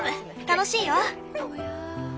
楽しいよ。